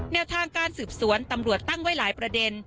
แนวทางการสืบสวนตำรวจตั้งไว้หลายประเด็น